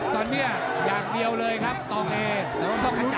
ตอนนี้อย่างเดียวเลยครับตองเอต้องหลุดไหนแล้ว